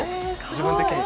自分的に。